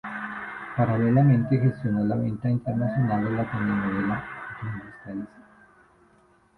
Paralelamente gestionó la venta internacional de la telenovela "¿Dónde está Elisa?".